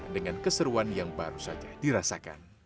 dengan keseruan yang baru saja dirasakan